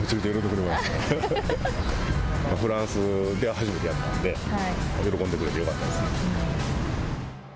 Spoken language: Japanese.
初めてやったんで喜んでくれてよかったですね。